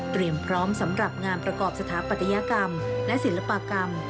พร้อมสำหรับงานประกอบสถาปัตยกรรมและศิลปกรรม